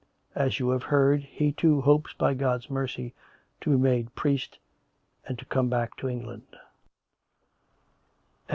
As you have heard, he, too, hopes by God's mercy to be made priest and to come back to England."